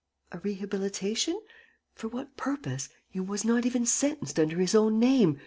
... A rehabilitation? For what purpose? He was not even sentenced under his own name.